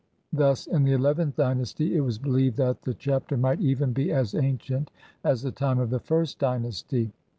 Thus in the Xlth dynasty it was believed that the Chapter might even be as ancient as the time of the 1st dynasty.